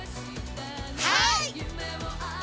はい！